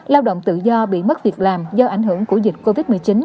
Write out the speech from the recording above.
lao động tự do bị mất việc làm do ảnh hưởng của dịch covid một mươi chín